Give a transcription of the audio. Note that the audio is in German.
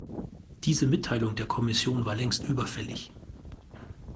Diese Mitteilung der Kommission war längst überfällig.